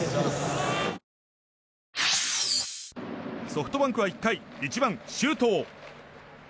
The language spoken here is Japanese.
ソフトバンクは１回１番、周東。